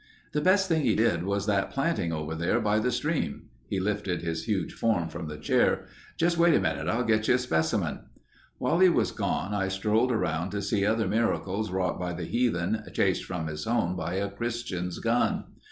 "The best thing he did was that planting over there by the stream." He lifted his huge form from the chair. "Just wait a minute. I'll get you a specimen." While he was gone I strolled around to see other miracles wrought by the heathen chased from his home by a Christian's gun.